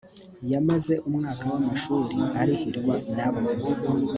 yamaze umwaka w amashuri arihirwa nabo